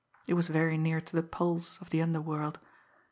It was very near to the pulse of the underworld.